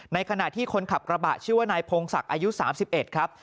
ในขณะที่คนขับกระบะชื่อว่านายพงศักดิ์อายุ๓๑ครับ